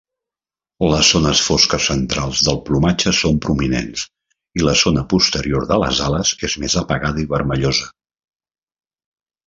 Les zones fosques centrals del plomatge són prominents i la zona posterior de les ales és més apagada i vermellosa.